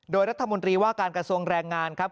โดยรัฐมนตรีว่าการกระทรวงแรงงานครับ